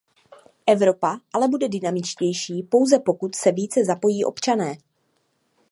Evropa ale bude dynamičtější, pouzepokud se více zapojí občané.